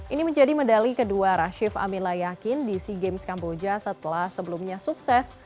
ini menjadi medali kedua rashif amila yakin di sea games kamboja setelah sebelumnya sukses